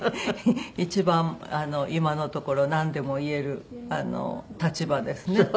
一番今のところなんでも言える立場ですね。